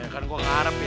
kan gue gak harap ya